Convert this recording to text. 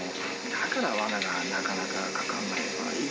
だからわなになかなかかかんないのかな。